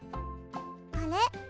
あれ？